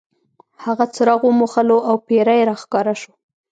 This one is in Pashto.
هغه څراغ وموښلو او پیری را ښکاره شو.